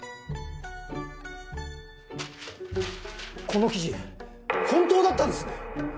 この記事本当だったんですね！？